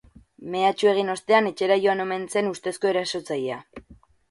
Mehatxu egin ostean etxera joan omen zen ustezko erasotzailea.